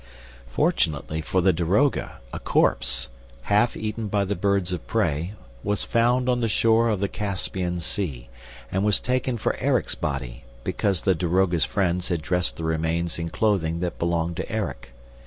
Fortunately for the daroga, a corpse, half eaten by the birds of prey, was found on the shore of the Caspian Sea, and was taken for Erik's body, because the daroga's friends had dressed the remains in clothing that belonged to Erik.